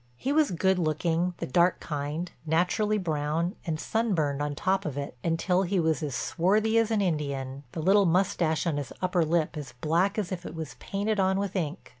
He was good looking, the dark kind, naturally brown, and sunburned on top of it until he was as swarthy as an Indian, the little mustache on his upper lip as black as if it was painted on with ink.